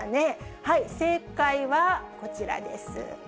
正解はこちらです。